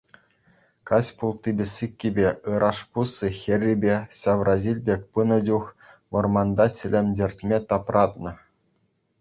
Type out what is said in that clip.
Каҫпулттипе сиккипе ыраш пусси хӗррипе ҫавраҫил пек пынӑ чух вӑрманта чӗлӗм чӗртме тапратнӑ.